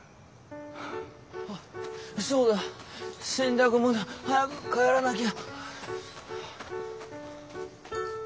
あっそうだ洗濯物早く帰らなきゃ。